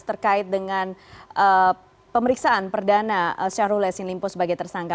terkait dengan pemeriksaan perdana syahrul esin limpus sebagai tersangka